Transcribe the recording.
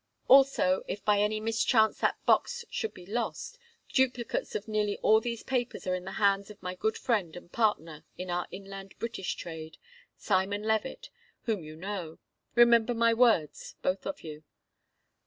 Also, if by any mischance that box should be lost, duplicates of nearly all these papers are in the hands of my good friend and partner in our inland British trade, Simon Levett, whom you know. Remember my words, both of you."